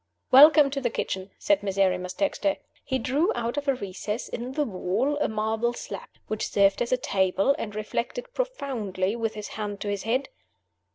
"Welcome to the kitchen!" said Miserrimus Dexter. He drew out of a recess in the wall a marble slab, which served as a table, and reflected profoundly, with his hand to his head.